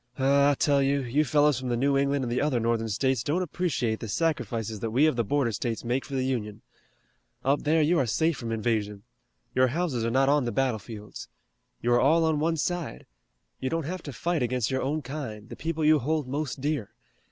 Oh, I tell you, you fellows from the New England and the other Northern States don't appreciate the sacrifices that we of the border states make for the Union. Up there you are safe from invasion. Your houses are not on the battlefields. You are all on one side. You don't have to fight against your own kind, the people you hold most dear.